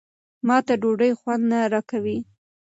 ما ته ډوډۍ خوند نه راکوي.